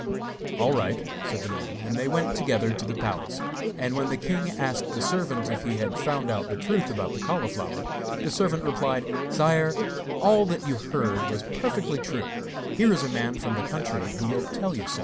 'All right,' said the man, and they went together to the palace; and when the king asked the servant if he had found out the truth about the cauliflower, the servant replied: 'Sire, all that you heard was perfectly true; here is a man from the country who will tell you so.